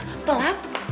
apa lu pak bi